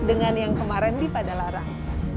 dengan yang kemarin di padalarang